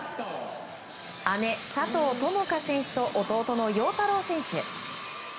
姉・佐藤友花選手と弟の陽太郎選手。